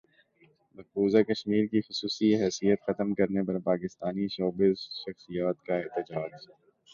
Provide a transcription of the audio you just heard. مقبوضہ کشمیر کی خصوصی حیثیت ختم کرنے پر پاکستانی شوبز شخصیات کا احتجاج